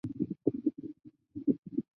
毛麻楝为楝科麻楝属下的一个变种。